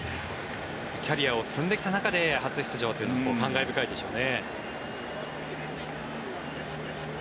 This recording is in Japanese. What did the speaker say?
キャリアを積んできた中で初出場というのは感慨深いでしょうね。